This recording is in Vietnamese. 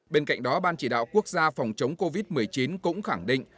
bên cạnh đó ban chỉ đạo quốc gia phòng chống covid một mươi chín cũng khẳng định